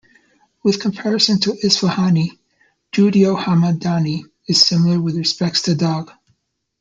With comparison to Isfahani, Judeo-Hamadani is similar with respects to dog.